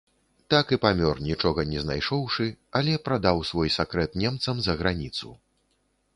Так і памёр, нічога не знайшоўшы, але прадаў свой сакрэт немцам за граніцу.